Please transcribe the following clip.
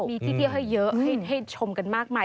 มีที่เที่ยวให้เยอะให้ชมกันมากมาย